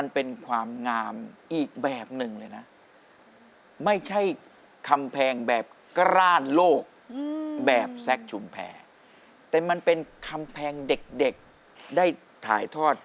แรกถ้าเจอบีเอ็มจะไม่มีแช็คชุมแพร่เกิด